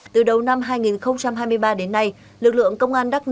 từ đầu năm hai nghìn hai mươi ba đến nay lực lượng công an đắk long đã đặt tài sản